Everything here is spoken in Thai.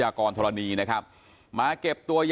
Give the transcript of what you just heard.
ซึ่งไม่ได้เจอกันบ่อย